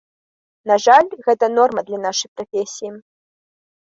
На жаль, гэта норма для нашай прафесіі.